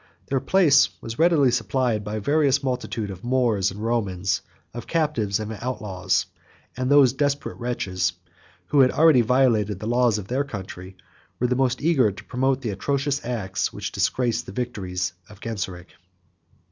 Their place was readily supplied by a various multitude of Moors and Romans, of captives and outlaws; and those desperate wretches, who had already violated the laws of their country, were the most eager to promote the atrocious acts which disgrace the victories of Genseric.